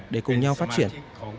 để cùng nhau phát triển